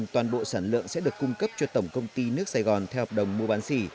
toàn bộ sản lượng sẽ được cung cấp cho tổng công ty nước sài gòn theo hợp đồng mua bán xỉ